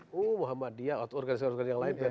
mui muhammadiyah organisasi organisasi yang lain